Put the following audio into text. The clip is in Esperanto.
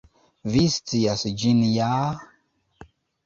Vi scias ĝin ja?